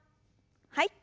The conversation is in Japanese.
はい。